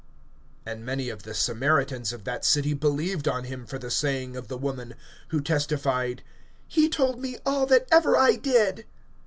(39)And many of the Samaritans of that city believed on him for the saying of the woman, who testified: He told me all that ever I did.